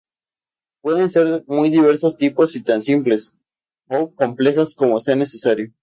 Pueden ser de muy diversos tipos y tan simples o complejas como sea necesario.